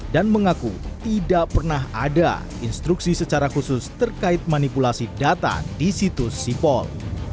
dan mengaku tidak pernah ada instruksi secara khusus terkait manipulasi data di situs sipol